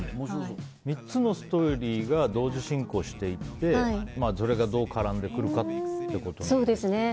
３つのストーリーが同時進行していってそれがどう絡んでくるかってことですかね。